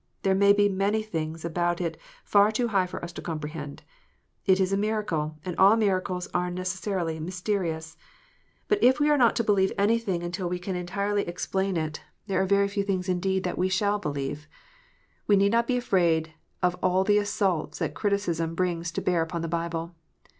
There may be many things about it far too high for us to comprehend : it is a miracle, and all miracles are necessarily mysterious. But if we are not to believe anything until we can entirely explain 340 KXOTS UNTIED. it, there are very few tilings indeed that we shall believe. We need not be afraid of all the assaults that criticism brings to bear upon the Bible.